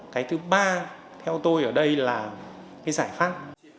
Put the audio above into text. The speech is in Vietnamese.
cái thứ ba theo tôi ở đây là cái giải pháp